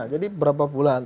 jadi berapa bulan